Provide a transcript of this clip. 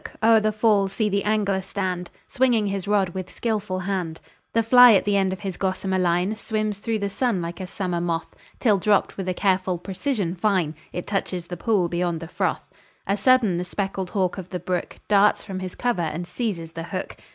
o'er the fall see the angler stand, Swinging his rod with skilful hand; The fly at the end of his gossamer line Swims through the sun like a summer moth, Till, dropt with a careful precision fine, It touches the pool beyond the froth. A sudden, the speckled hawk of the brook Darts from his cover and seizes the hook.